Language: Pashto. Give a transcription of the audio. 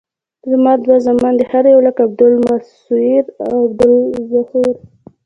زما دوه زامن دي هر یو لکه عبدالمصویر او عبدالظهور.